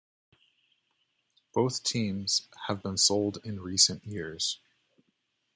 Both teams have been sold in recent years.